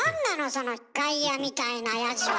その外野みたいなやじは。